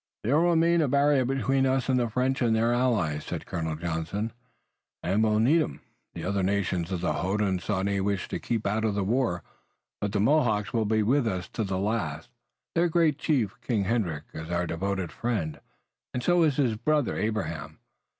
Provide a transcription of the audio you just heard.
"They'll remain a barrier between us and the French and their allies," said Colonel Johnson, "and faith we'll need 'em. The other nations of the Hodenosaunee wish to keep out of the war, but the Mohawks will be with us to the last. Their great chief, King Hendrick, is our devoted friend, and so is his brother, Abraham.